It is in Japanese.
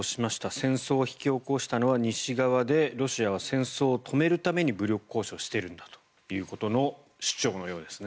戦争を引き起こしたのは西側でロシアは戦争を止めるために武力行使をしているんだという主張のようですね。